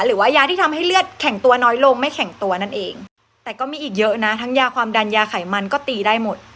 หรือว่ายาที่ทำให้เลือดแข็งตัวน้อยลงไม่แข็งตัวนั่นเองแต่ก็มีอีกเยอะนะทั้งยาความดันยาไขมันก็ตีได้หมด